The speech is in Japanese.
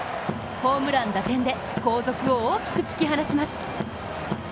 ホームラン、打点で後続を大きく突き放します。